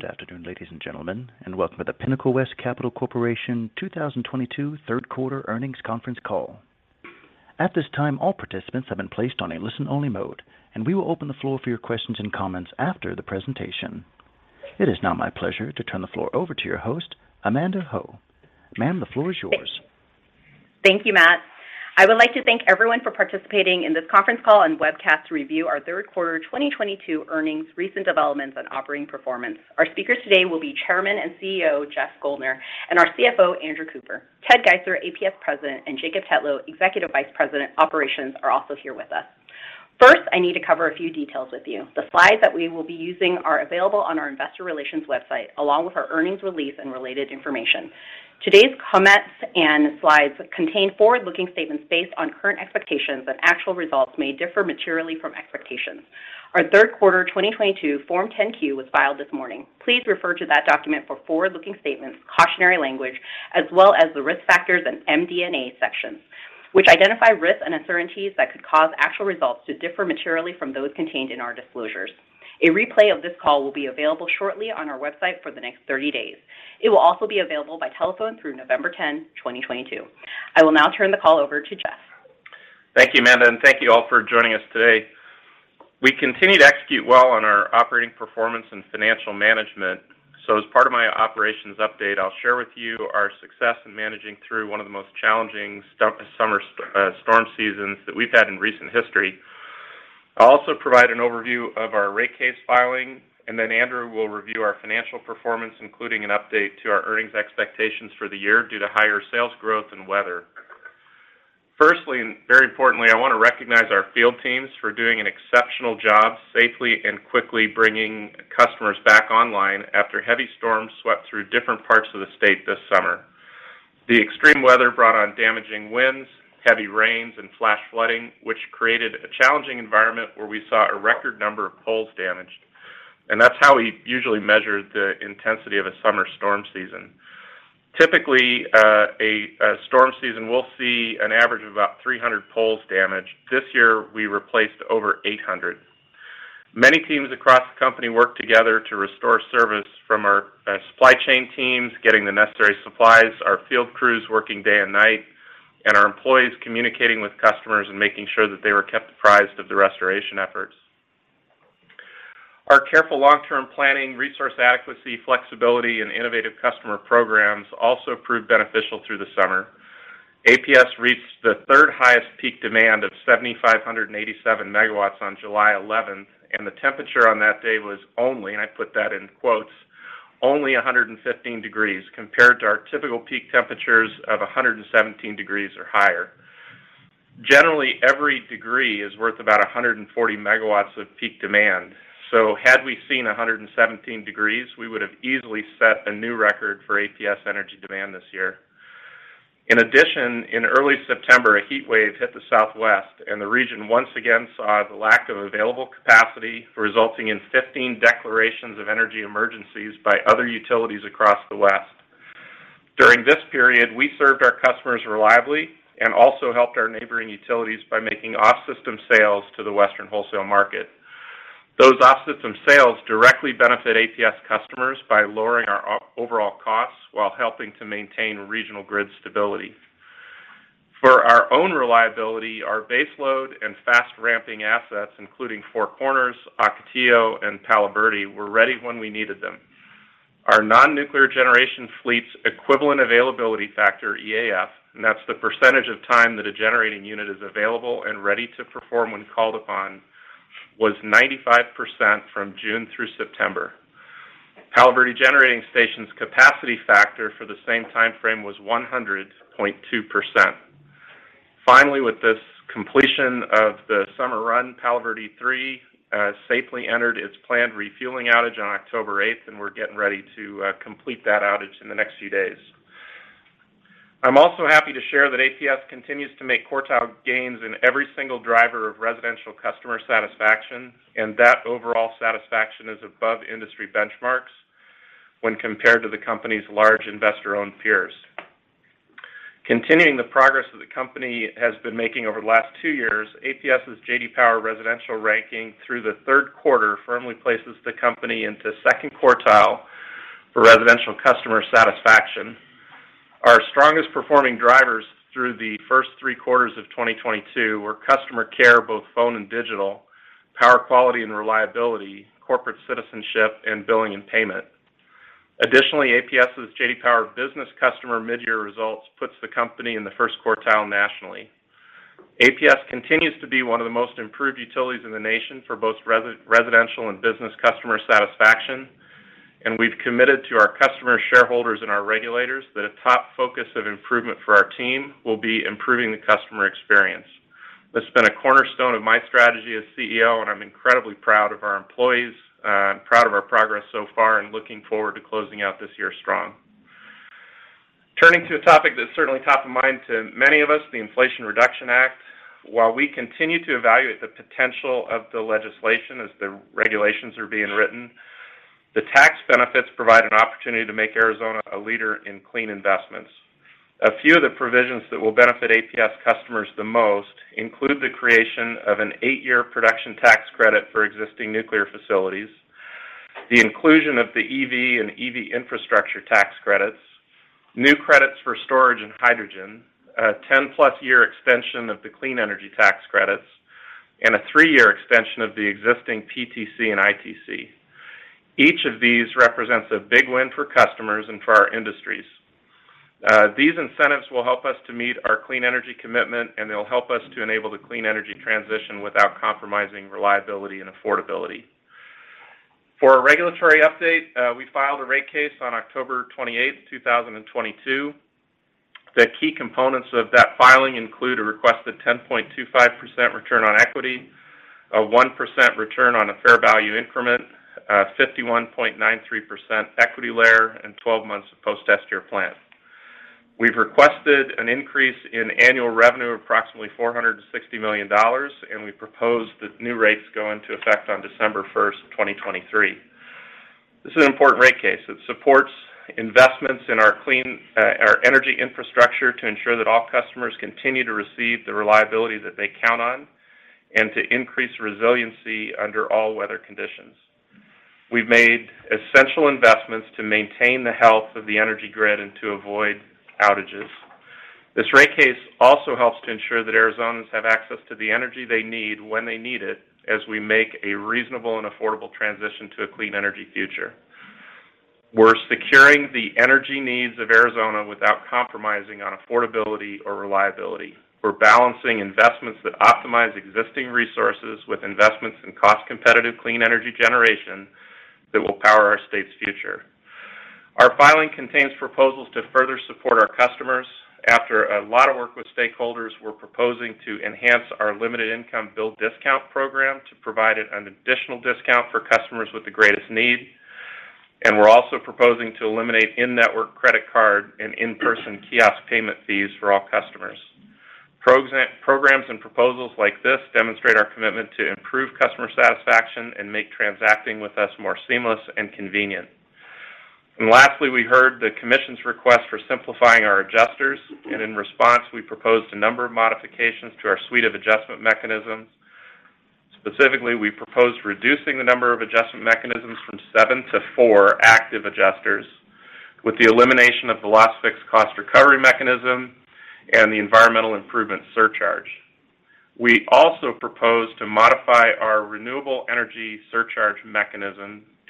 Good afternoon, ladies and gentlemen, and welcome to the Pinnacle West Capital Corporation 2022 Third Quarter Earnings Conference Call. At this time, all participants have been placed on a listen-only mode, and we will open the floor for your questions and comments after the presentation. It is now my pleasure to turn the floor over to your host, Amanda Ho. Ma'am, the floor is yours. Thank you, Matt. I would like to thank everyone for participating in this conference call and webcast to review our third quarter 2022 earnings, recent developments, and operating performance. Our speakers today will be Chairman and CEO, Jeff Guldner, and our CFO, Andrew Cooper. Ted Geisler, APS President, and Jacob Tetlow, Executive Vice President, Operations, are also here with us. First, I need to cover a few details with you. The slides that we will be using are available on our investor relations website, along with our earnings release and related information. Today's comments and slides contain forward-looking statements based on current expectations that actual results may differ materially from expectations. Our third quarter 2022 Form 10-Q was filed this morning. Please refer to that document for forward-looking statements, cautionary language, as well as the Risk Factors and MD&A sections, which identify risks and uncertainties that could cause actual results to differ materially from those contained in our disclosures. A replay of this call will be available shortly on our website for the next 30 days. It will also be available by telephone through November 10th, 2022. I will now turn the call over to Jeff. Thank you, Amanda, and thank you all for joining us today. We continue to execute well on our operating performance and financial management. As part of my operations update, I'll share with you our success in managing through one of the most challenging storm seasons that we've had in recent history. I'll also provide an overview of our rate case filing, and then Andrew will review our financial performance, including an update to our earnings expectations for the year due to higher sales growth and weather. Firstly, and very importantly, I want to recognize our field teams for doing an exceptional job safely and quickly bringing customers back online after heavy storms swept through different parts of the state this summer. The extreme weather brought on damaging winds, heavy rains, and flash flooding, which created a challenging environment where we saw a record number of poles damaged, and that's how we usually measure the intensity of a summer storm season. Typically, a storm season, we'll see an average of about 300 poles damaged. This year, we replaced over 800. Many teams across the company worked together to restore service from our supply chain teams, getting the necessary supplies, our field crews working day and night, and our employees communicating with customers and making sure that they were kept apprised of the restoration efforts. Our careful long-term planning, resource adequacy, flexibility, and innovative customer programs also proved beneficial through the summer. APS reached the third highest peak demand of 7,587 MW on July 11th, and the temperature on that day was only, and I put that in quotes, only 115 degrees compared to our typical peak temperatures of 117 degrees or higher. Generally, every degree is worth about 140 MW of peak demand. Had we seen 117 degrees, we would have easily set a new record for APS energy demand this year. In addition, in early September, a heat wave hit the Southwest, and the region once again saw the lack of available capacity, resulting in 15 declarations of energy emergencies by other utilities across the West. During this period, we served our customers reliably and also helped our neighboring utilities by making off-system sales to the Western wholesale market. Those off-system sales directly benefit APS customers by lowering our overall costs while helping to maintain regional grid stability. For our own reliability, our base load and fast ramping assets, including Four Corners, Ocotillo, and Palo Verde, were ready when we needed them. Our non-nuclear generation fleet's equivalent availability factor, EAF, and that's the percentage of time that a generating unit is available and ready to perform when called upon, was 95% from June through September. Palo Verde Generating Station's capacity factor for the same timeframe was 100.2%. Finally, with this completion of the summer run, Palo Verde 3 safely entered its planned refueling outage on October eighth, and we're getting ready to complete that outage in the next few days. I'm also happy to share that APS continues to make quartile gains in every single driver of residential customer satisfaction, and that overall satisfaction is above industry benchmarks when compared to the company's large investor-owned peers. Continuing the progress that the company has been making over the last two years, APS's J.D. Power residential ranking through the third quarter firmly places the company into second quartile for residential customer satisfaction. Our strongest performing drivers through the first three quarters of 2022 were customer care, both phone and digital, power quality and reliability, corporate citizenship, and billing and payment. Additionally, APS's J.D. Power business customer mid-year results puts the company in the first quartile nationally. APS continues to be one of the most improved utilities in the nation for both residential and business customer satisfaction, and we've committed to our customers, shareholders, and our regulators that a top focus of improvement for our team will be improving the customer experience. That's been a cornerstone of my strategy as CEO, and I'm incredibly proud of our employees and proud of our progress so far, and looking forward to closing out this year strong. Turning to a topic that's certainly top of mind to many of us, the Inflation Reduction Act. While we continue to evaluate the potential of the legislation as the regulations are being written, the tax benefits provide an opportunity to make Arizona a leader in clean investments. A few of the provisions that will benefit APS customers the most include the creation of an eight-year production tax credit for existing nuclear facilities, the inclusion of the EV and EV infrastructure tax credits, new credits for storage and hydrogen, a 10+ year extension of the clean energy tax credits, and a three-year extension of the existing PTC and ITC. Each of these represents a big win for customers and for our industries. These incentives will help us to meet our clean energy commitment, and they'll help us to enable the clean energy transition without compromising reliability and affordability. For a regulatory update, we filed a rate case on October 28th, 2022. The key components of that filing include a requested 10.25% return on equity, a 1% return on a fair value increment, a 51.93% equity layer, and 12 months of post-test year plan. We've requested an increase in annual revenue of approximately $460 million, and we propose that new rates go into effect on December 1st, 2023. This is an important rate case. It supports investments in our energy infrastructure to ensure that all customers continue to receive the reliability that they count on and to increase resiliency under all weather conditions. We've made essential investments to maintain the health of the energy grid and to avoid outages. This rate case also helps to ensure that Arizonans have access to the energy they need when they need it as we make a reasonable and affordable transition to a clean energy future. We're securing the energy needs of Arizona without compromising on affordability or reliability. We're balancing investments that optimize existing resources with investments in cost-competitive clean energy generation that will power our state's future. Our filing contains proposals to further support our customers. After a lot of work with stakeholders, we're proposing to enhance our limited income bill discount program to provide an additional discount for customers with the greatest need. We're also proposing to eliminate in-network credit card and in-person kiosk payment fees for all customers. Programs and proposals like this demonstrate our commitment to improve customer satisfaction and make transacting with us more seamless and convenient. Lastly, we heard the Commission's request for simplifying our adjusters, and in response, we proposed a number of modifications to our suite of adjustment mechanisms. Specifically, we proposed reducing the number of adjustment mechanisms from seven-four active adjusters with the elimination of the last fixed cost recovery mechanism and the Environmental Improvement Surcharge. We also proposed to modify our Renewable Energy Adjustment Charge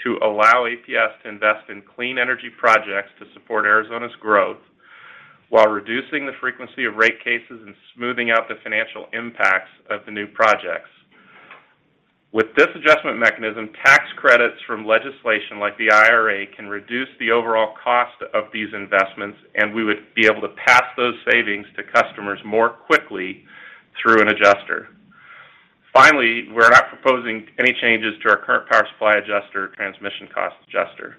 to allow APS to invest in clean energy projects to support Arizona's growth while reducing the frequency of rate cases and smoothing out the financial impacts of the new projects. With this adjustment mechanism, tax credits from legislation like the IRA can reduce the overall cost of these investments, and we would be able to pass those savings to customers more quickly through an adjuster. Finally, we're not proposing any changes to our current Power Supply Adjustment or transmission cost adjuster.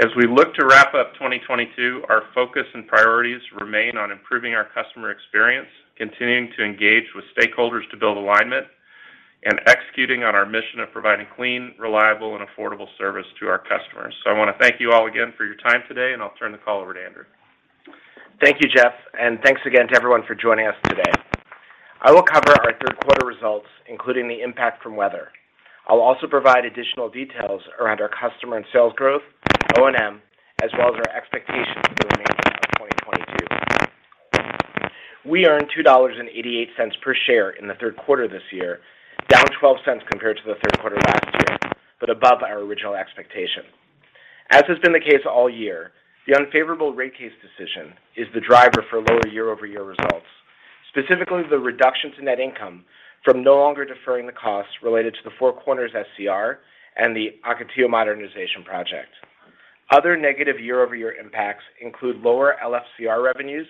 As we look to wrap up 2022, our focus and priorities remain on improving our customer experience, continuing to engage with stakeholders to build alignment, and executing on our mission of providing clean, reliable, and affordable service to our customers. I want to thank you all again for your time today, and I'll turn the call over to Andrew. Thank you, Jeff, and thanks again to everyone for joining us today. I will cover our third quarter results, including the impact from weather. I'll also provide additional details around our customer and sales growth, O&M, as well as our expectations for the remainder of 2022. We earned $2.88 per share in the third quarter this year, down $0.12 compared to the third quarter last year, but above our original expectation. As has been the case all year, the unfavorable rate case decision is the driver for lower year-over-year results, specifically the reduction to net income from no longer deferring the costs related to the Four Corners SCR and the Ocotillo Modernization Project. Other negative year-over-year impacts include lower LFCR revenues,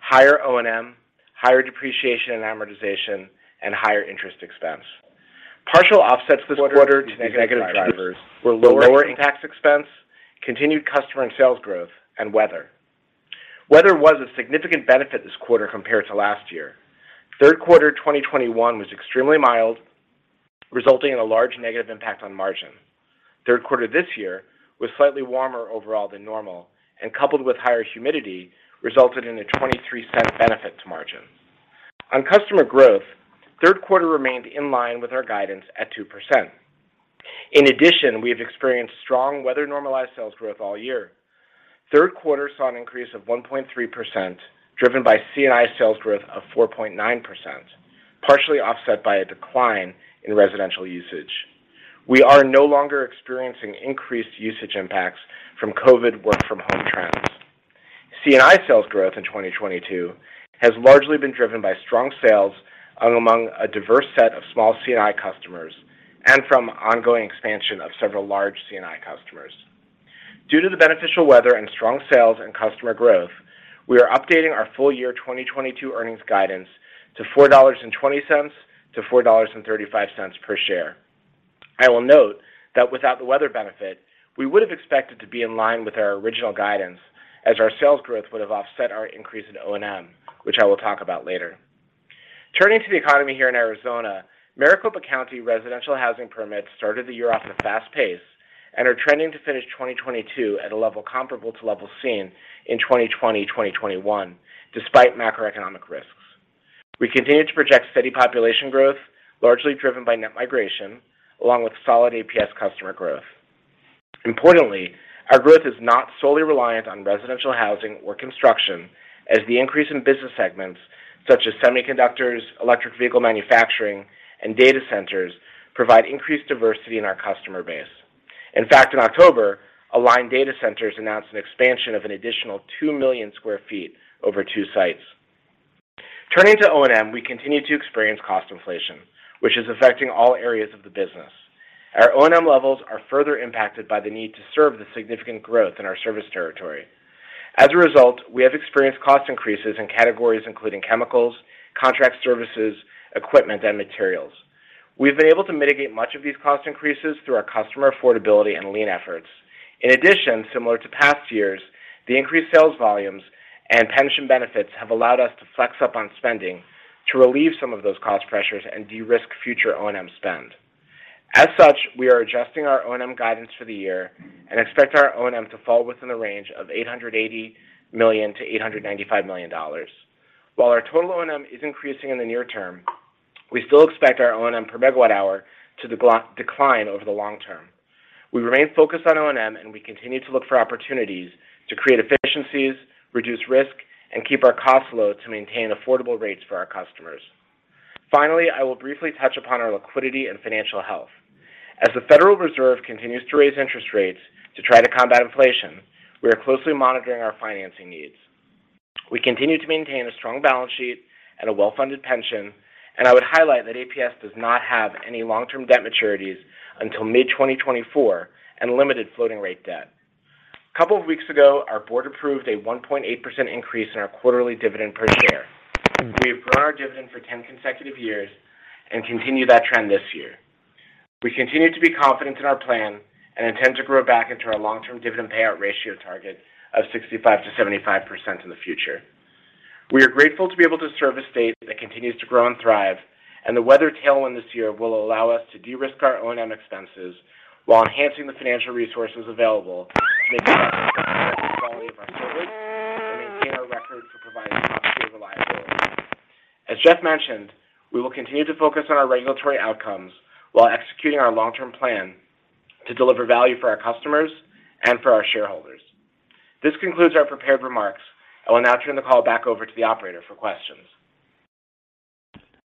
higher O&M, higher depreciation and amortization, and higher interest expense. Partial offsets this quarter to these negative drivers were lower tax expense, continued customer and sales growth, and weather. Weather was a significant benefit this quarter compared to last year. Third quarter 2021 was extremely mild, resulting in a large negative impact on margin. Third quarter this year was slightly warmer overall than normal and coupled with higher humidity resulted in a $0.23 benefit to margin. On customer growth, third quarter remained in line with our guidance at 2%. In addition, we have experienced strong weather normalized sales growth all year. Third quarter saw an increase of 1.3%, driven by C&I sales growth of 4.9%, partially offset by a decline in residential usage. We are no longer experiencing increased usage impacts from COVID work from home trends. C&I sales growth in 2022 has largely been driven by strong sales among a diverse set of small C&I customers and from ongoing expansion of several large C&I customers. Due to the beneficial weather and strong sales and customer growth, we are updating our full year 2022 earnings guidance to $4.20-$4.35 per share. I will note that without the weather benefit, we would have expected to be in line with our original guidance as our sales growth would have offset our increase in O&M, which I will talk about later. Turning to the economy here in Arizona, Maricopa County residential housing permits started the year off at a fast pace and are trending to finish 2022 at a level comparable to levels seen in 2020, 2021 despite macroeconomic risks. We continue to project steady population growth, largely driven by net migration, along with solid APS customer growth. Importantly, our growth is not solely reliant on residential housing or construction as the increase in business segments such as semiconductors, electric vehicle manufacturing, and data centers provide increased diversity in our customer base. In fact, in October, Aligned Data Centers announced an expansion of an additional 2 million sq ft over two sites. Turning to O&M, we continue to experience cost inflation, which is affecting all areas of the business. Our O&M levels are further impacted by the need to serve the significant growth in our service territory. As a result, we have experienced cost increases in categories including chemicals, contract services, equipment, and materials. We've been able to mitigate much of these cost increases through our customer affordability and lean efforts. In addition, similar to past years, the increased sales volumes and pension benefits have allowed us to flex up on spending to relieve some of those cost pressures and de-risk future O&M spend. As such, we are adjusting our O&M guidance for the year and expect our O&M to fall within the range of $880 million-$895 million. While our total O&M is increasing in the near term, we still expect our O&M per megawatt hour to decline over the long term. We remain focused on O&M, and we continue to look for opportunities to create efficiencies, reduce risk, and keep our costs low to maintain affordable rates for our customers. Finally, I will briefly touch upon our liquidity and financial health. As the Federal Reserve continues to raise interest rates to try to combat inflation, we are closely monitoring our financing needs. We continue to maintain a strong balance sheet and a well-funded pension, and I would highlight that APS does not have any long-term debt maturities until mid-2024 and limited floating rate debt. A couple of weeks ago, our board approved a 1.8% increase in our quarterly dividend per share. We have grown our dividend for 10 consecutive years and continue that trend this year. We continue to be confident in our plan and intend to grow back into our long-term dividend payout ratio target of 65%-75% in the future. We are grateful to be able to serve a state that continues to grow and thrive, and the weather tailwind this year will allow us to de-risk our O&M expenses while enhancing the financial resources available to make investments in the quality of our service and maintain our record for providing cost of reliability. As Jeff mentioned, we will continue to focus on our regulatory outcomes while executing our long-term plan to deliver value for our customers and for our shareholders. This concludes our prepared remarks. I will now turn the call back over to the operator for questions.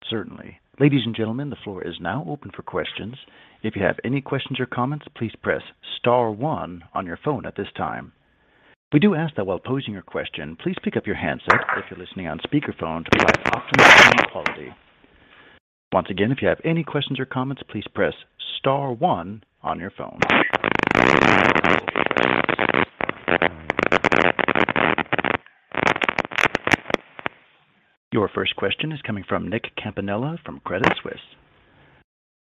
Certainly. Ladies and gentlemen, the floor is now open for questions. If you have any questions or comments, please press star one on your phone at this time. We do ask that while posing your question, please pick up your handset if you're listening on speakerphone to provide optimal phone quality. Once again, if you have any questions or comments, please press star one on your phone. Your first question is coming from Nicholas Campanella from Credit Suisse.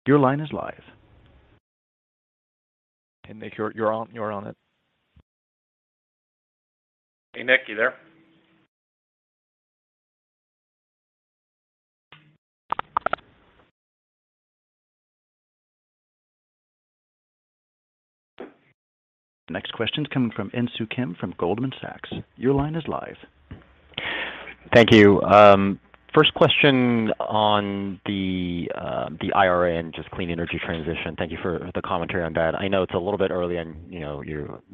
Your line is live. Hey, Nick. You're on it. Hey, Nick. You there? Next question is coming from Insoo Kim from Goldman Sachs. Your line is live. Thank you. First question on the IRA and just clean energy transition. Thank you for the commentary on that. I know it's a little bit early, and, you know,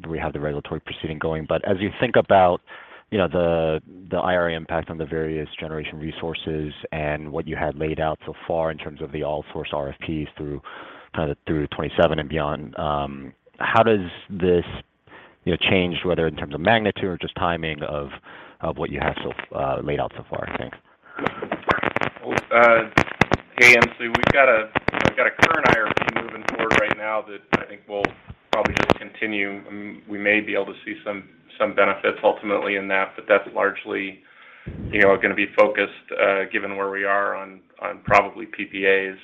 we have the regulatory proceeding going. As you think about, you know, the IRA impact on the various generation resources and what you had laid out so far in terms of the all source RFPs through kind of through 2027 and beyond, how does this, you know, change whether in terms of magnitude or just timing of what you have laid out so far? Thanks. Well, hey, Insoo. We've got a current IRB moving forward right now that I think will probably just continue. We may be able to see some benefits ultimately in that, but that's largely, you know, gonna be focused, given where we are on probably PPAs.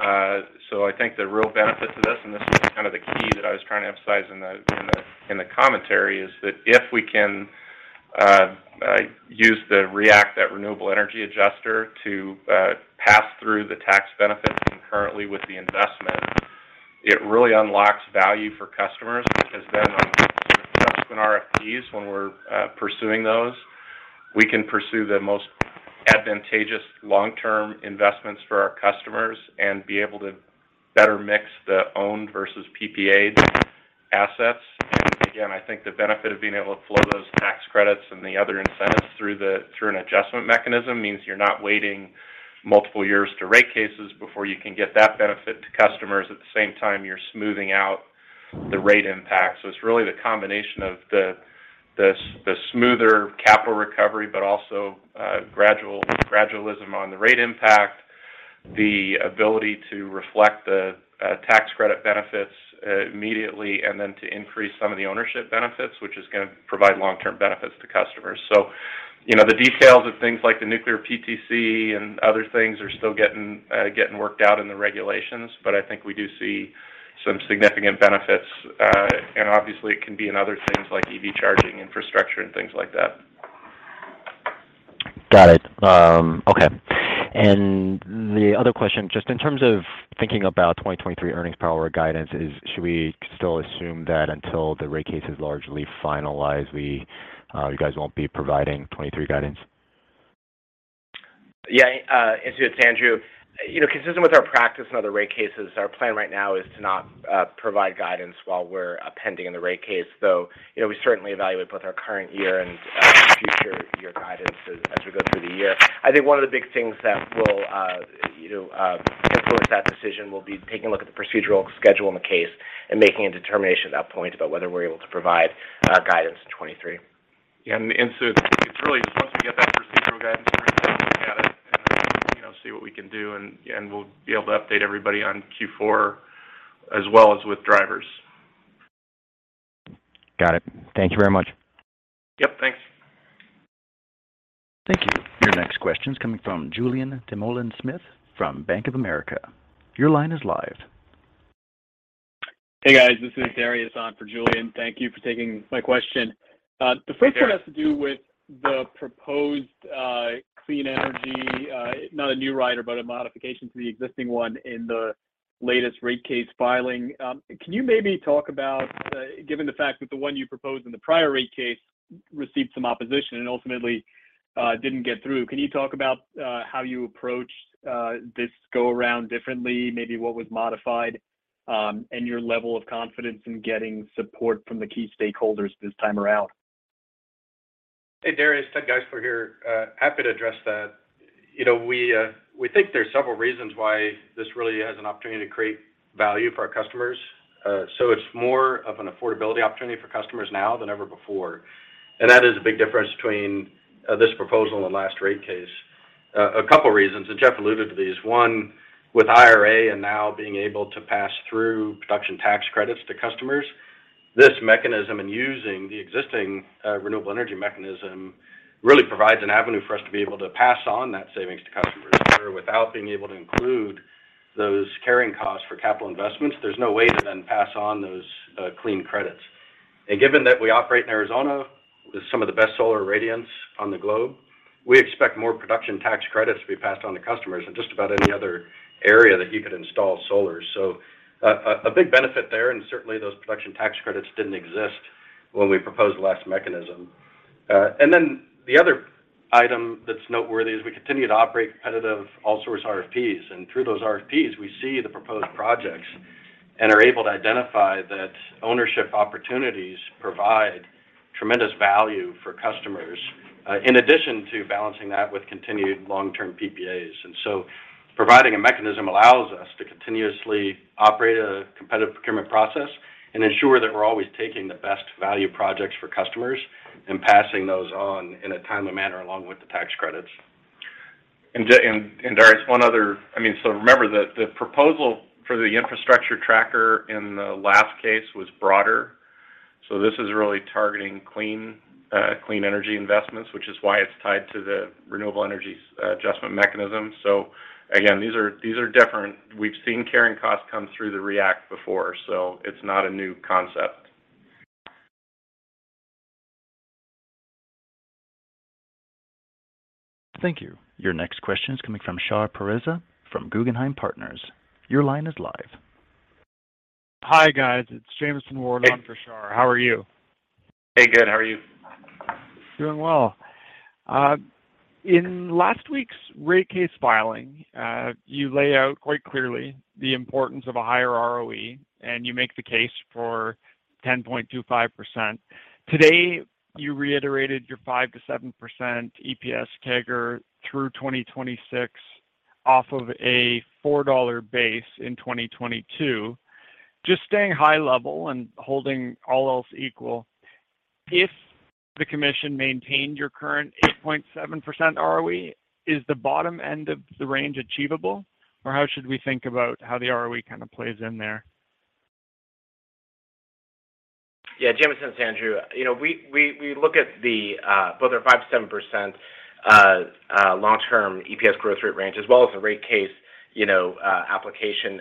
I think the real benefit to this, and this is kind of the key that I was trying to emphasize in the commentary, is that if we can use the REAC, that Renewable Energy Adjuster, to pass through the tax benefits concurrently with the investment, it really unlocks value for customers, which has been on open RFPs when we're pursuing those. We can pursue the most advantageous long-term investments for our customers and be able to better mix the owned versus PPA assets. Again, I think the benefit of being able to flow those tax credits and the other incentives through an adjustment mechanism means you're not waiting multiple years to rate cases before you can get that benefit to customers. At the same time, you're smoothing out the rate impact. It's really the combination of the smoother capital recovery, but also gradualism on the rate impact, the ability to reflect the tax credit benefits immediately, and then to increase some of the ownership benefits, which is gonna provide long-term benefits to customers. You know, the details of things like the nuclear PTC and other things are still getting worked out in the regulations. I think we do see some significant benefits, and obviously it can be in other things like EV charging infrastructure and things like that. Got it. Okay. The other question, just in terms of thinking about 2023 earnings power guidance, is should we still assume that until the rate case is largely finalized, we, you guys won't be providing 2023 guidance? Yeah. Insoo, it's Andrew. You know, consistent with our practice in other rate cases, our plan right now is to not provide guidance while we're pending in the rate case, though, you know, we certainly evaluate both our current year and future year guidance as we go through the year. I think one of the big things that will, you know, influence that decision will be taking a look at the procedural schedule in the case and making a determination at that point about whether we're able to provide guidance in 2023. Yeah. It's really once we get that procedural guidance, we got it and, you know, see what we can do, and we'll be able to update everybody on Q4 as well as with drivers. Got it. Thank you very much. Yep. Thanks. Thank you. Your next question is coming from Julien Dumoulin-Smith from Bank of America. Your line is live. Hey, guys. This is Darius on for Julien. Thank you for taking my question. The first one. Sure. Has to do with the proposed clean energy, not a new rider, but a modification to the existing one in the latest rate case filing. Can you talk about, given the fact that the one you proposed in the prior rate case received some opposition and ultimately didn't get through, how you approached this go around differently, maybe what was modified, and your level of confidence in getting support from the key stakeholders this time around? Hey, Darius. Ted Geisler here. Happy to address that. You know, we think there's several reasons why this really has an opportunity to create value for our customers. It's more of an affordability opportunity for customers now than ever before. That is a big difference between this proposal and the last rate case. A couple of reasons, and Jeff alluded to these. One, with IRA and now being able to pass through production tax credits to customers, this mechanism and using the existing renewable energy mechanism really provides an avenue for us to be able to pass on that savings to customers. Without being able to include those carrying costs for capital investments, there's no way to then pass on those clean credits. Given that we operate in Arizona with some of the best solar irradiance on the globe, we expect more production tax credits to be passed on to customers in just about any other area that you could install solar. A big benefit there, and certainly those production tax credits didn't exist when we proposed the last mechanism. The other item that's noteworthy is we continue to operate competitive all-source RFPs. Through those RFPs, we see the proposed projects and are able to identify that ownership opportunities provide tremendous value for customers, in addition to balancing that with continued long-term PPAs. Providing a mechanism allows us to continuously operate a competitive procurement process and ensure that we're always taking the best value projects for customers and passing those on in a timely manner along with the tax credits. Darius, I mean, remember that the proposal for the infrastructure tracker in the last case was broader. This is really targeting clean energy investments, which is why it's tied to the renewable energy adjustment mechanism. Again, these are different. We've seen carrying costs come through the REACT before, so it's not a new concept. Thank you. Your next question is coming from Shar Pourreza from Guggenheim Partners. Your line is live. Hi, guys. It's Jameson Ward on for Shar. How are you? Hey, good. How are you? Doing well. In last week's rate case filing, you lay out quite clearly the importance of a higher ROE, and you make the case for 10.25%. Today, you reiterated your 5%-7% EPS CAGR through 2026 off of a $4 base in 2022. Just staying high level and holding all else equal, if the commission maintained your current 8.7% ROE, is the bottom end of the range achievable, or how should we think about how the ROE kind of plays in there? Yeah. Jameson, it's Andrew. You know, we look at both our 5%-7% long-term EPS growth rate range as well as the rate case, you know, application.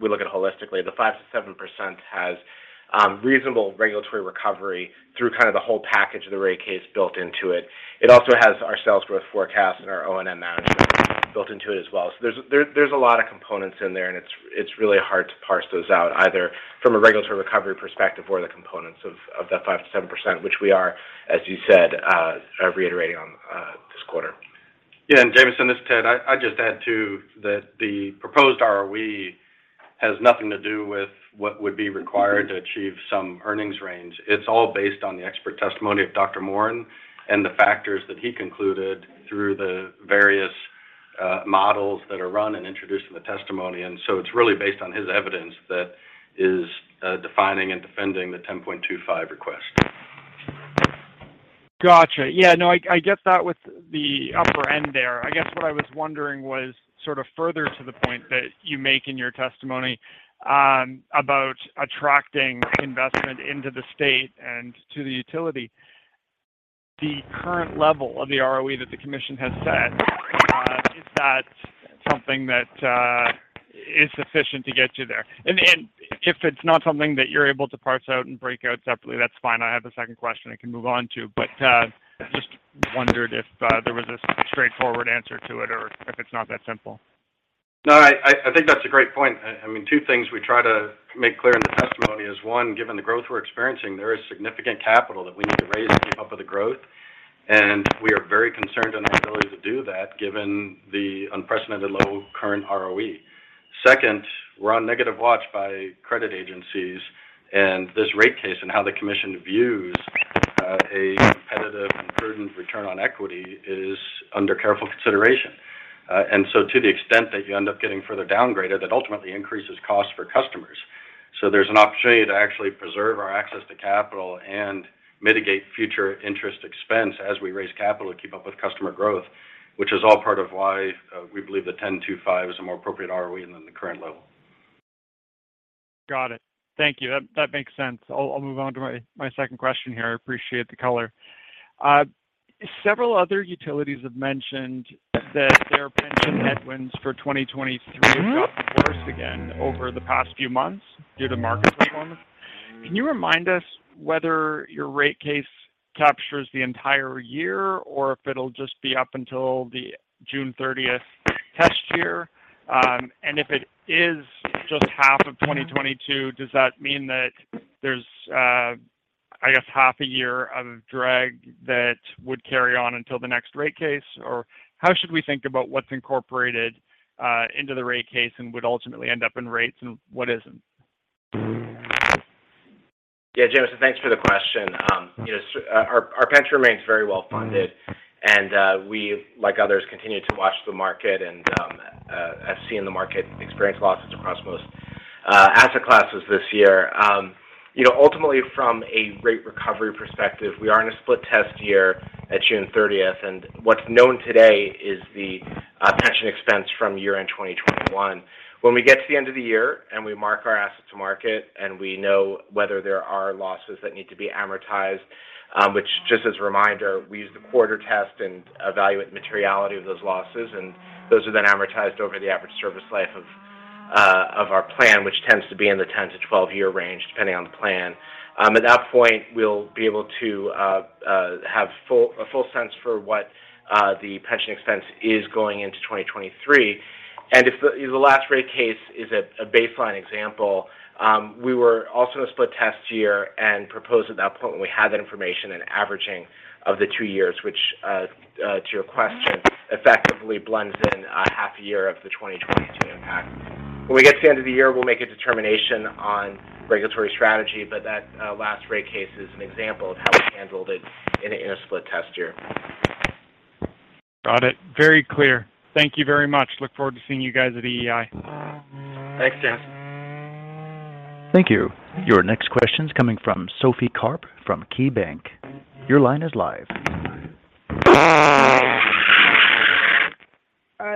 We look at holistically. The 5%-7% has reasonable regulatory recovery through kind of the whole package of the rate case built into it. It also has our sales growth forecast and our O&M mounting built into it as well. So there's a lot of components in there, and it's really hard to parse those out either from a regulatory recovery perspective or the components of that 5%-7%, which we are, as you said, reiterating on this quarter. Yeah. Jameson, this is Ted. I just add, too, that the proposed ROE has nothing to do with what would be required to achieve some earnings range. It's all based on the expert testimony of Dr. Morin and the factors that he concluded through the various models that are run and introduced in the testimony. It's really based on his evidence that is defining and defending the 10.25 request. Gotcha. Yeah. No, I get that with the upper end there. I guess what I was wondering was sort of further to the point that you make in your testimony about attracting investment into the state and to the utility. The current level of the ROE that the commission has set is that something that is sufficient to get you there? If it's not something that you're able to parse out and break out separately, that's fine. I have a second question I can move on to. Just wondered if there was a straightforward answer to it or if it's not that simple. No, I think that's a great point. I mean, two things we try to make clear in the testimony is, one, given the growth we're experiencing, there is significant capital that we need to raise to keep up with the growth, and we are very concerned on our ability to do that given the unprecedented low current ROE. Second, we're on negative watch by credit agencies. This rate case and how the commission views a competitive and prudent return on equity is under careful consideration. To the extent that you end up getting further downgraded, that ultimately increases cost for customers. There's an opportunity to actually preserve our access to capital and mitigate future interest expense as we raise capital to keep up with customer growth, which is all part of why we believe that 10.25% is a more appropriate ROE than the current level. Got it. Thank you. That makes sense. I'll move on to my second question here. I appreciate the color. Several other utilities have mentioned that their pension headwinds for 2023 have gotten worse again over the past few months due to market performance. Can you remind us whether your rate case captures the entire year or if it'll just be up until the June 30th test year? And if it is just half of 2022, does that mean that there's, I guess, half a year of drag that would carry on until the next rate case? Or how should we think about what's incorporated into the rate case and would ultimately end up in rates and what isn't? Yeah. Jameson, thanks for the question. You know, our pension remains very well funded and, we, like others, continue to watch the market and, as we're seeing the market experience losses across most asset classes this year. You know, ultimately from a rate recovery perspective, we are in a split test year at June thirtieth, and what's known today is the pension expense from year-end 2021. When we get to the end of the year and we mark our assets to market and we know whether there are losses that need to be amortized, which just as a reminder, we use the corridor test and evaluate the materiality of those losses, and those are then amortized over the average service life of our plan, which tends to be in the 10-12-year range, depending on the plan. At that point we'll be able to have a full sense for what the pension expense is going into 2023. If the last rate case is a baseline example, we were also in a split test year and proposed at that point when we had that information an averaging of the two years which, to your question, effectively blends in half a year of the 2022 impact. When we get to the end of the year, we'll make a determination on regulatory strategy, but that last rate case is an example of how we handled it in a split test year. Got it. Very clear. Thank you very much. Look forward to seeing you guys at EEI. Thanks, Jameson. Thank you. Your next question's coming from Sophie Karp from KeyBanc. Your line is live.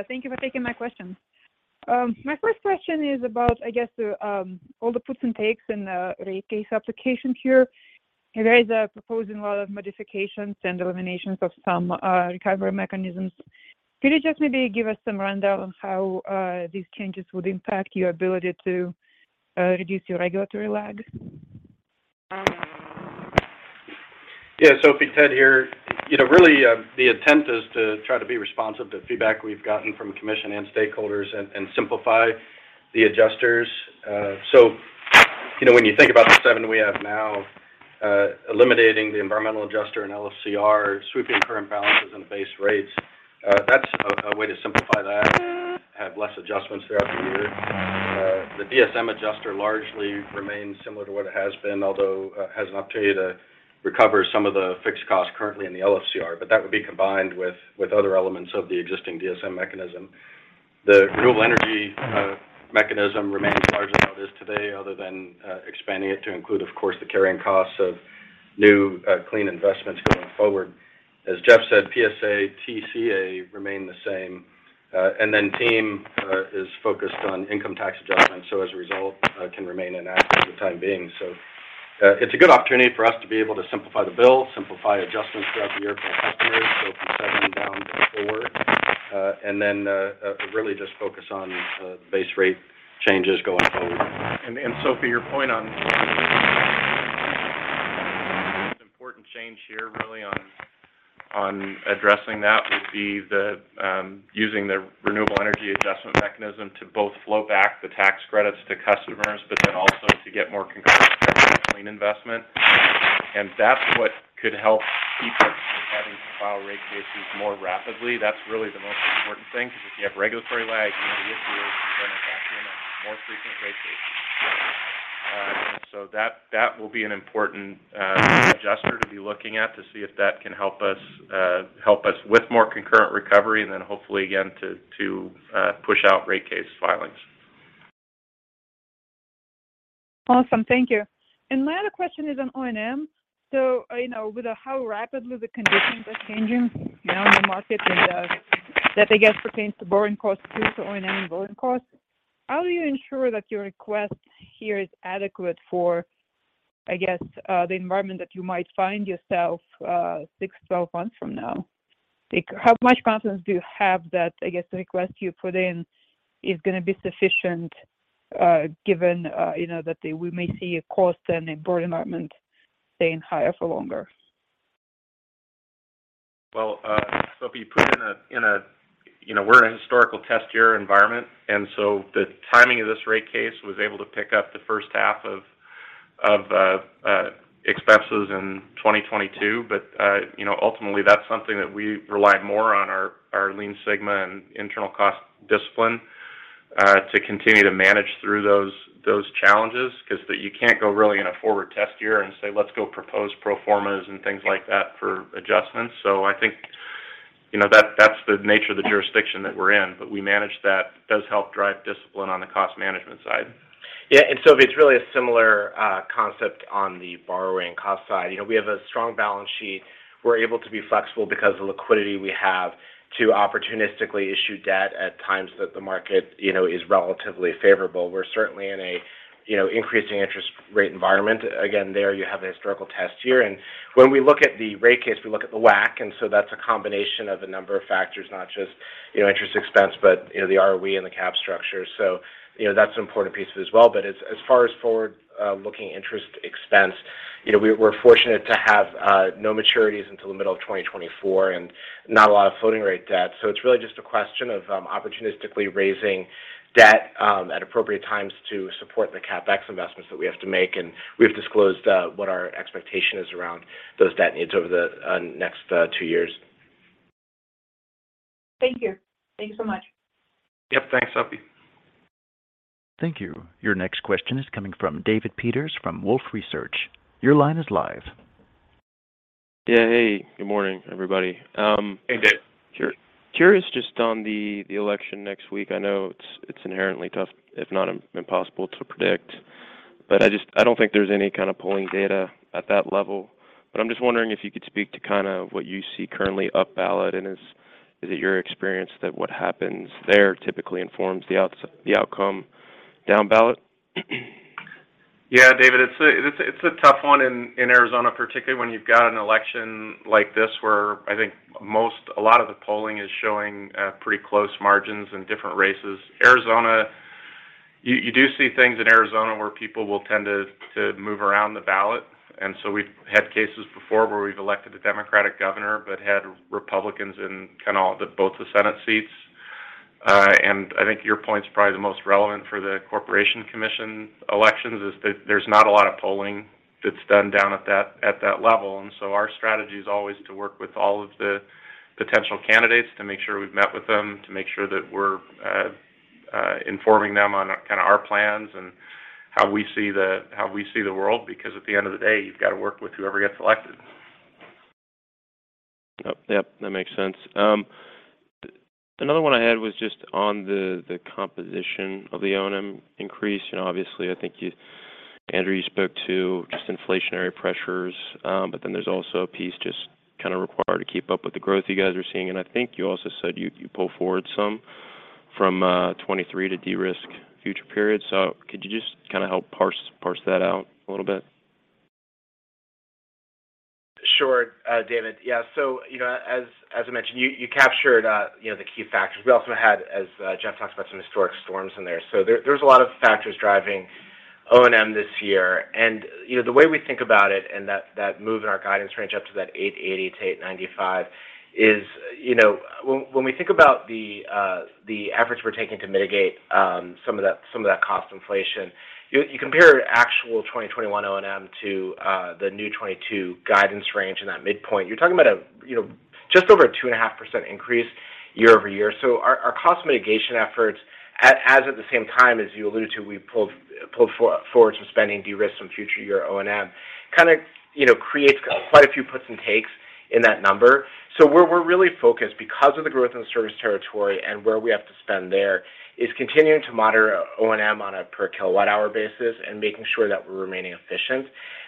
Thank you for taking my question. My first question is about, I guess, all the puts and takes in the rate case application here. You guys are proposing a lot of modifications and eliminations of some recovery mechanisms. Could you just maybe give us some rundown on how these changes would impact your ability to reduce your regulatory lag? Yeah. Sophie, Ted here. You know, really, the intent is to try to be responsive to feedback we've gotten from commission and stakeholders and simplify the adjusters. So, you know, when you think about the seven we have now, eliminating the environmental adjuster and LFCR, sweeping current balances into base rates, that's a way to simplify that and have less adjustments throughout the year. The DSM adjuster largely remains similar to what it has been, although, has an opportunity to recover some of the fixed costs currently in the LFCR, but that would be combined with other elements of the existing DSM mechanism. The renewable energy mechanism remains largely how it is today other than expanding it to include, of course, the carrying costs of new clean investments going forward. As Jeff said, PSA, TCA remain the same. TEAM is focused on income tax adjustments, so as a result, can remain inactive for the time being. It's a good opportunity for us to be able to simplify the bill, simplify adjustments throughout the year for our customers. From seven down to four, really just focus on the base rate changes going forward. Sophie, an important change here really on addressing that would be using the renewable energy adjustment mechanism to both flow back the tax credits to customers, but then also to get more concurrent clean investment. That's what could help keep us from having to file rate cases more rapidly. That's really the most important thing 'cause if you have regulatory lag, you have issues around a vacuum and more frequent rate cases. That will be an important adjuster to be looking at to see if that can help us with more concurrent recovery and then hopefully again to push out rate case filings. Awesome. Thank you. My other question is on O&M. You know, with how rapidly the conditions are changing now in the market and that I guess pertains to borrowing costs due to O&M borrowing costs. How do you ensure that your request here is adequate for, I guess, the environment that you might find yourself, six to 12 months from now? Like, how much confidence do you have that, I guess, the request you put in is gonna be sufficient, given, you know, that we may see a cost and a broad environment staying higher for longer? Well, Sophie, but in a you know, we're a historical test year environment, and so the timing of this rate case was able to pick up the first half of expenses in 2022. But you know, ultimately, that's something that we rely more on our Lean Six Sigma and internal cost discipline to continue to manage through those challenges 'cause you can't go really in a forward test year and say, "Let's go propose pro formas and things like that for adjustments." So I think, you know, that's the nature of the jurisdiction that we're in. We manage that. Does help drive discipline on the cost management side. Yeah. Sophie, it's really a similar concept on the borrowing cost side. You know, we have a strong balance sheet. We're able to be flexible because of the liquidity we have to opportunistically issue debt at times that the market, you know, is relatively favorable. We're certainly in a you know, increasing interest rate environment. Again, there you have a historical test year. When we look at the rate case, we look at the WACC, and so that's a combination of a number of factors, not just, you know, interest expense, but, you know, the ROE and the cap structure. You know, that's an important piece as well. As far as forward-looking interest expense, you know, we're fortunate to have no maturities until the middle of 2024 and not a lot of floating rate debt. It's really just a question of opportunistically raising debt at appropriate times to support the CapEx investments that we have to make. We've disclosed what our expectation is around those debt needs over the next two years. Thank you. Thank you so much. Yep. Thanks, Sophie. Thank you. Your next question is coming from David Peters from Wolfe Research. Your line is live. Yeah. Hey, good morning, everybody. Hey, David. Curious just on the election next week. I know it's inherently tough, if not impossible to predict, but I just don't think there's any kind of polling data at that level. I'm just wondering if you could speak to kind of what you see currently up ballot, and is it your experience that what happens there typically informs the outcome down ballot? Yeah, David, it's a tough one in Arizona, particularly when you've got an election like this where I think a lot of the polling is showing pretty close margins in different races. Arizona, you do see things in Arizona where people will tend to move around the ballot. We've had cases before where we've elected a Democratic governor, but had Republicans in kind of both the Senate seats. I think your point is probably the most relevant for the Corporation Commission elections is that there's not a lot of polling that's done down at that level. Our strategy is always to work with all of the potential candidates to make sure we've met with them, to make sure that we're informing them on kind of our plans and how we see the world, because at the end of the day, you've got to work with whoever gets elected. Oh, yep. That makes sense. Another one I had was just on the composition of the O&M increase. You know, obviously, I think you, Andrew, spoke to just inflationary pressures, but then there's also a piece just kinda required to keep up with the growth you guys are seeing. I think you also said you pull forward some from 2023 to de-risk future periods. Could you just kinda help parse that out a little bit? Sure, David. Yeah. You know, as I mentioned, you captured, you know, the key factors. We also had, as Jeff talked about, some historic storms in there. There's a lot of factors driving O&M this year. You know, the way we think about it and that move in our guidance range up to that $880-$895 is, you know, when we think about the efforts we're taking to mitigate some of that cost inflation, you compare actual 2021 O&M to the new 2022 guidance range in that midpoint. You're talking about a, you know, just over a 2.5% increase year-over-year. Our cost mitigation efforts at the same time, as you alluded to, we pulled forward some spending de-risk from future year O&M, kinda, you know, creates quite a few puts and takes in that number. We're really focused because of the growth in the service territory and where we have to spend there is continuing to moderate O&M on a per kilowatt hour basis and making sure that we're remaining efficient.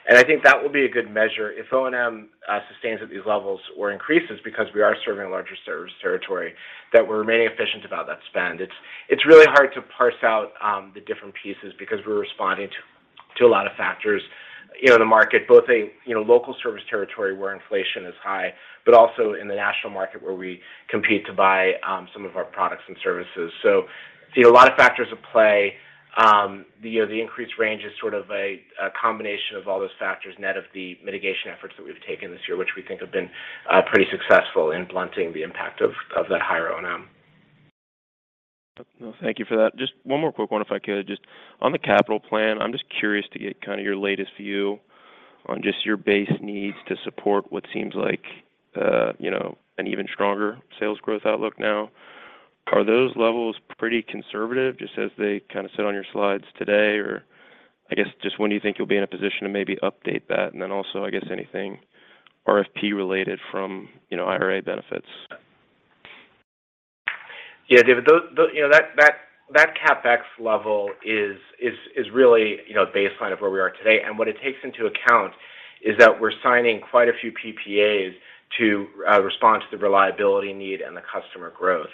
I think that will be a good measure if O&M sustains at these levels or increases because we are serving a larger service territory, that we're remaining efficient about that spend. It's really hard to parse out the different pieces because we're responding to a lot of factors, you know, in the market, both a local service territory where inflation is high, but also in the national market where we compete to buy some of our products and services. See a lot of factors at play. You know, the increased range is sort of a combination of all those factors, net of the mitigation efforts that we've taken this year, which we think have been pretty successful in blunting the impact of that higher O&M. Well, thank you for that. Just one more quick one, if I could. Just on the capital plan, I'm just curious to get kinda your latest view on just your base needs to support what seems like, you know, an even stronger sales growth outlook now. Are those levels pretty conservative just as they kinda sit on your slides today? Or I guess just when do you think you'll be in a position to maybe update that? And then also, I guess anything RFP related from, you know, IRA benefits. Yeah. David, you know, that CapEx level is really, you know, baseline of where we are today. What it takes into account it's that we're signing quite a few PPAs to respond to the reliability need and the customer growth.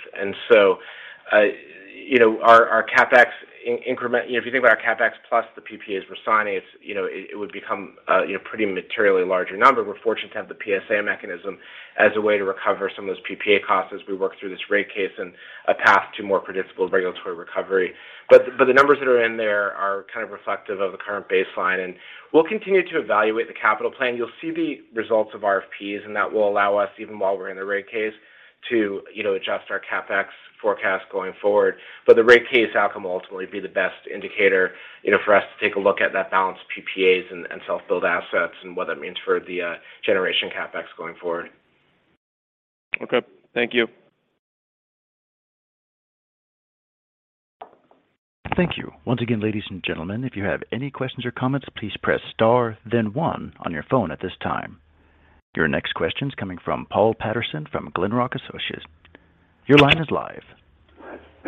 You know, our CapEx. You know, if you think about our CapEx plus the PPAs we're signing, it's you know, it would become a you know, pretty materially larger number. We're fortunate to have the PSA mechanism as a way to recover some of those PPA costs as we work through this rate case and a path to more predictable regulatory recovery. The numbers that are in there are kind of reflective of the current baseline, and we'll continue to evaluate the capital plan. You'll see the results of RFPs, and that will allow us, even while we're in the rate case, to you know, adjust our CapEx forecast going forward. The rate case outcome will ultimately be the best indicator, you know, for us to take a look at that balance of PPAs and self-build assets and what that means for the generation CapEx going forward. Okay. Thank you. Thank you. Once again, ladies and gentlemen, if you have any questions or comments, please press star then one on your phone at this time. Your next question's coming from Paul Patterson from Glenrock Associates. Your line is live.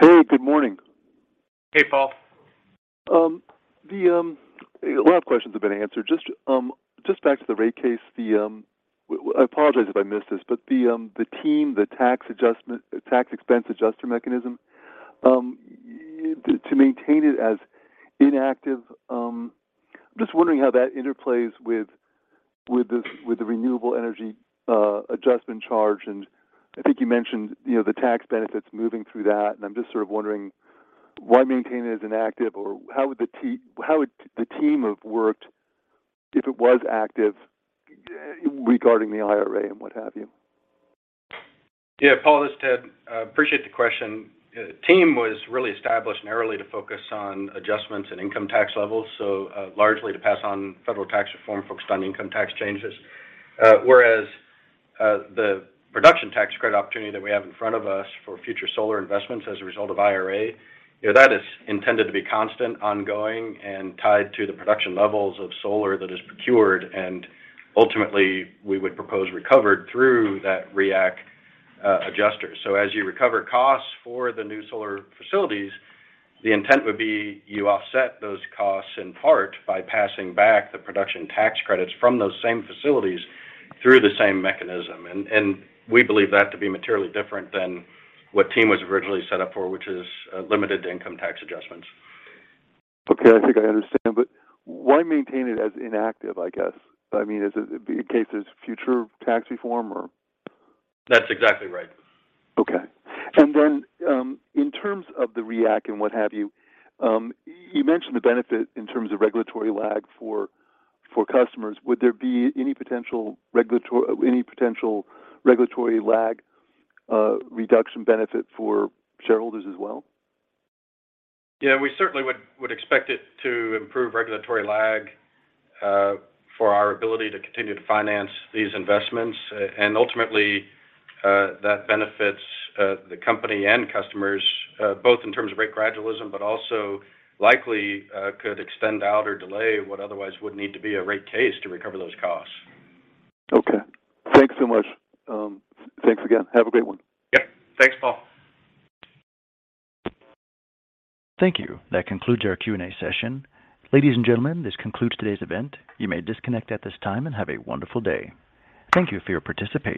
Hey, good morning. Hey, Paul. A lot of questions have been answered. Just back to the rate case. I apologize if I missed this, but the TEAM, the tax expense adjuster mechanism, to maintain it as inactive. I'm just wondering how that interplays with the Renewable Energy Adjustment Charge. I think you mentioned, you know, the tax benefits moving through that, and I'm just sort of wondering why maintain it as inactive or how would the TEAM have worked if it was active regarding the IRA and what have you? Yeah. Paul, this is Ted. I appreciate the question. TEAM was really established narrowly to focus on adjustments in income tax levels, so largely to pass on federal tax reform focused on income tax changes. Whereas the production tax credit opportunity that we have in front of us for future solar investments as a result of IRA, you know, that is intended to be constant, ongoing, and tied to the production levels of solar that is procured, and ultimately we would propose recovered through that REAC adjuster. As you recover costs for the new solar facilities, the intent would be you offset those costs in part by passing back the production tax credits from those same facilities through the same mechanism. We believe that to be materially different than what TEAM was originally set up for, which is limited to income tax adjustments. Okay. I think I understand. Why maintain it as inactive, I guess? I mean, is it in case there's future tax reform or? That's exactly right. Okay. In terms of the REAC and what have you mentioned the benefit in terms of regulatory lag for customers. Would there be any potential regulatory lag reduction benefit for shareholders as well? Yeah, we certainly would expect it to improve regulatory lag for our ability to continue to finance these investments. Ultimately, that benefits the company and customers both in terms of rate gradualism, but also likely could extend out or delay what otherwise would need to be a rate case to recover those costs. Okay. Thanks so much. Thanks again. Have a great one. Yep. Thanks, Paul. Thank you. That concludes our Q&A session. Ladies and gentlemen, this concludes today's event. You may disconnect at this time and have a wonderful day. Thank you for your participation.